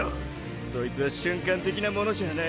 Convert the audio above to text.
そいつは瞬間的なものじゃない。